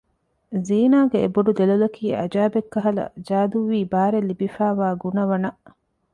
ޒީނާގެ އެ ބޮޑު ދެލޮލަކީ އަޖައިބެއްކަހަލަ ޖާދޫވީ ބާރެއް ލިބިފައިވާ ގުނަވަނައް